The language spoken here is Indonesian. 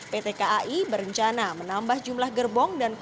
pt kai berencana menambah jumlah gerbong dan remaja